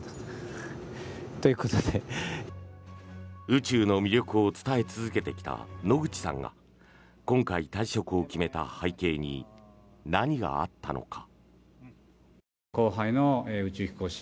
宇宙の魅力を伝え続けてきた野口さんが今回退職を決めた背景に何があったのか。